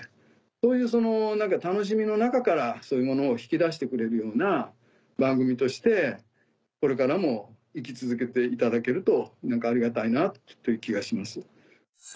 そういう楽しみの中からそういうものを引き出してくれるような番組としてこれからも行き続けていただけるとありがたいなという気がします。